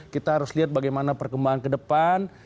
kita harus lihat bagaimana perkembangan kedepan